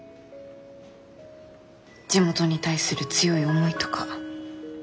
地元に対する強い思いとか。